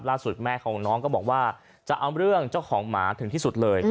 แม่ของน้องก็บอกว่าจะเอาเรื่องเจ้าของหมาถึงที่สุดเลย